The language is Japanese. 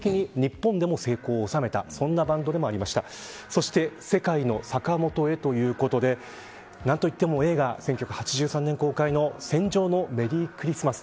そして、世界のサカモトへということで何と言っても１９８３年公開の戦場のメリークリスマス。